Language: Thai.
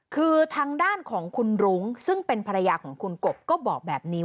คือทางด้านของคุณรุ้งซึ่งเป็นภรรยาของคุณกบก็บอกแบบนี้